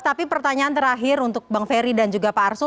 tapi pertanyaan terakhir untuk bang ferry dan juga pak arsul